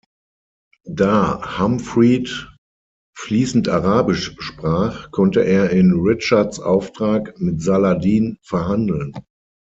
Da Humfried fließend Arabisch sprach, konnte er in Richards Auftrag mit Saladin verhandeln.